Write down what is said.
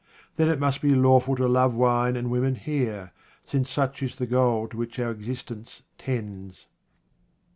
Then it must be lawful to love wine and women here, since such is the goal to which our existence tends.